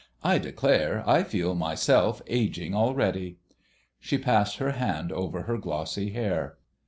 I declare I feel myself ageing already." She passed her hand over her glossy hair.